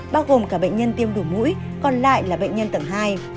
bao gồm cả bệnh nhân tiêm đủ mũi còn lại là bệnh nhân tầng hai